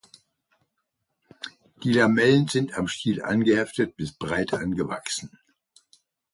Die Lamellen sind am Stiel angeheftet bis breit angewachsen.